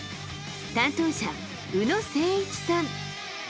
担当者、宇野誠一さん。